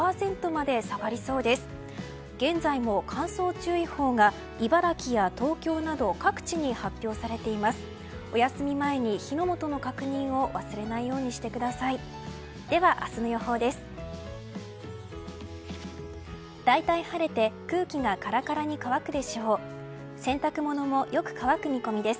では明日の予報です。